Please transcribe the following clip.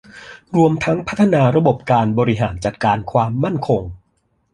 รวมทั้งพัฒนาระบบการบริหารจัดการความมั่นคง